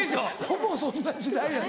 ほぼそんな時代や。